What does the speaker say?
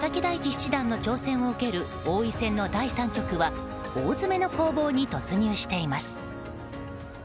七段の挑戦を受ける王位戦の第３局は大詰めの攻防に突入しています。